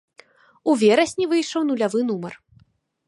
У верасні выйшаў нулявы нумар.